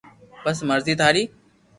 بس مر زي ٿاري